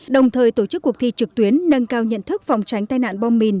đồng thời tổ chức cuộc thi trực tuyến nâng cao nhận thức phòng tránh tai nạn bom mìn